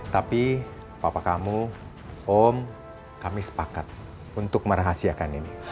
tapi papa kamu om kami sepakat untuk merahasiakan ini